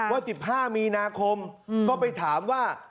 ว่า๑๕มีนาคมก็ไปถามว่า